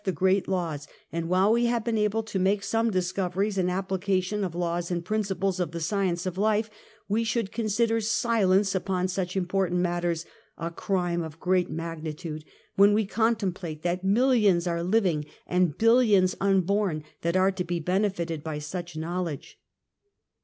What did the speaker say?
the great laws, and while we have been able to make some discoveries and application of laws and princi ples of the science of life, we should consider silence upon such important matters a crime of great magnitude, when we contemplate that millions are living, and billions unborn that are to be benefited by such knowledge.